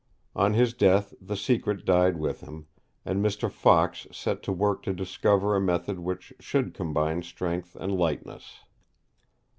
On his death the secret died with him, and Mr. Fox set to work to discover a method which should combine strength and lightness.